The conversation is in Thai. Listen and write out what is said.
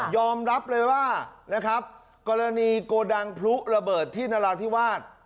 อมรับเลยว่านะครับกรณีโกดังพลุระเบิดที่นราธิวาส